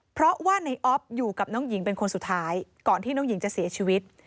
เพราะว่าในออฟอยู่กับน้องหญิงเป็นคนสุดท้ายก่อนที่น้องหญิงจะเสียชีวิต